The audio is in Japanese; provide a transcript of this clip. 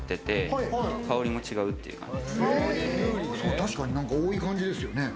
確かに多い感じですよね。